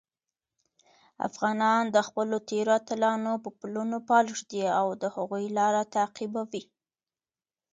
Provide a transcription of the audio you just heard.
افغانان د خپلو تېرو اتلانو په پلونو پل ږدي او د هغوی لاره تعقیبوي.